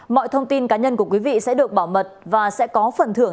mọi thông tin cá nhân của quý vị sẽ được bảo mật và sẽ có phần thưởng